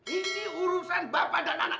ini urusan bapak dan anak